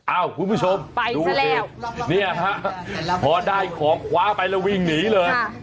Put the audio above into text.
อ้าวคุณผู้ชมพอได้ของคว้าไปแล้ววิ่งหนีเลย